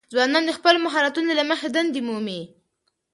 ځوانان د خپلو مهارتونو له مخې دندې مومي.